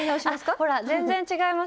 ほら全然違います。